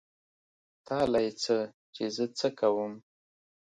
تا له يې څه چې زه څه کوم.